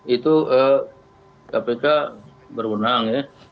itu kpk berwenang ya